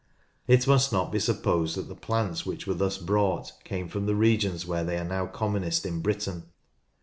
It must not be supposed that the plants which were thus brought came from the regions where they are now commonest in Britain.